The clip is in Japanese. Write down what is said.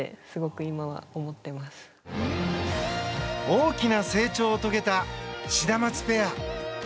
大きな成長を遂げたシダマツペア。